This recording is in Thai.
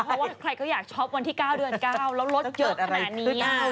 เพราะว่าใครก็อยากช็อปวันที่๙เดือน๙แล้วรถเยอะขนาดนี้